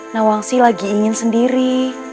nawang sih lagi ingin sendiri